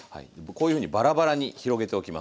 こういうふうにバラバラに広げておきます。